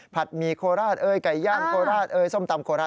ผัดหมี่โคราชไก่ย่างโคราชส้มตำโคราช